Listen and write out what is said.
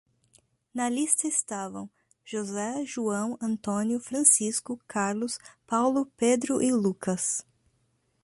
Na lista estavam: José, João, António, Francisco, Carlos, Paulo, Pedro e Lucas.